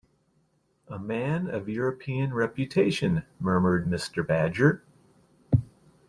"A man of European reputation," murmured Mr. Badger.